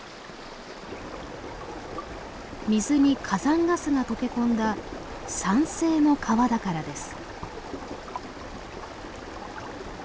水に火山ガスが溶け込んだ酸性の川だからです。